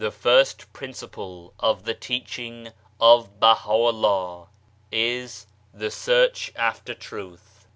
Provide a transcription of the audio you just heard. first Principle of the Teaching of Baha'u'llah is: The Search after Truth.